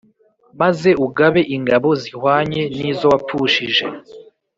maze ugabe ingabo zihwanye n izo wapfushije